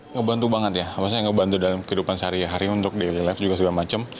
ngebantu banget ya maksudnya ngebantu dalam kehidupan sehari hari untuk daily life juga segala macem